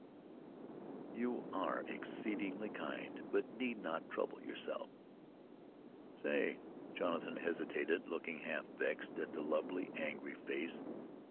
"You are exceedingly kind; but need not trouble yourself." "Say," Jonathan hesitated, looking half vexed at the lovely, angry face.